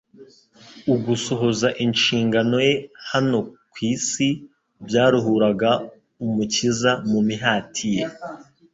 Ugusohoza inshingano ye hano ku isi byaruhuraga Umukiza mu mihati ye